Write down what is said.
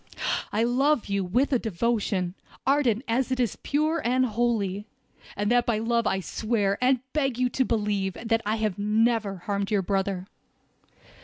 I love you, with a devotion, ardent as it is pure and holy; and by that love I swear, and beg you to believe, that I have never harmed your brother!"